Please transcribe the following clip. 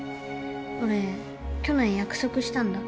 俺去年約束したんだ。